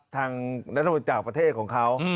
ทางรัฐมนต์จากประเทศของเขา